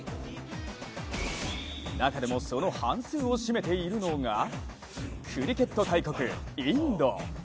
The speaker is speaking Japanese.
中でもその半数を占めているのがクリケット大国インド。